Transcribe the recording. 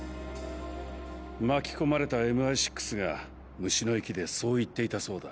巻き込まれたＭＩ６が虫の息でそう言っていたそうだ。